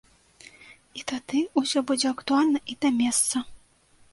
І тады ўсё будзе актуальна і да месца.